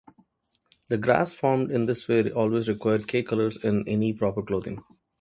The graphs formed in this way always require "k" colors in any proper coloring.